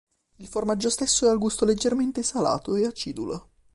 Il formaggio stesso è al gusto leggermente salato e acidulo.